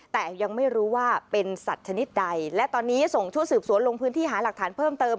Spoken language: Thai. แต่ยังไม่รู้ว่าเป็นสัตว์ชนิดใดและตอนนี้ส่งชุดสืบสวนลงพื้นที่หาหลักฐานเพิ่มเติม